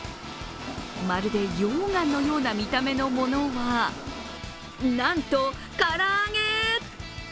まるで溶岩のような見た目のものはなんと、から揚げ。